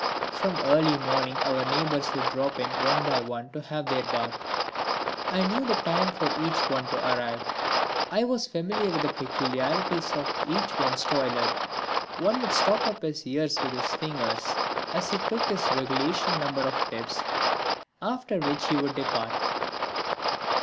From early morning our neighbours would drop in one by one to have their bath. I knew the time for each one to arrive. I was familiar with the peculiarities of each one's toilet. One would stop up his ears with his fingers as he took his regulation number of dips, after which he would depart.